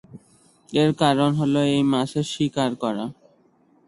এর কারণ হল এই মাছের শিকার করা।